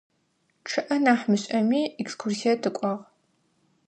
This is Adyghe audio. Чъыӏэ нахь мышӏэми, экскурсие тыкӏуагъ.